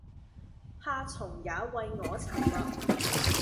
夏蟲也為我沉默